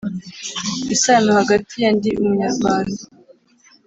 Isano hagati ya ndi umunyarwanda